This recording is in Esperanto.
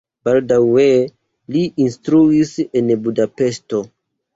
Baldaŭe li instruis en Budapeŝto.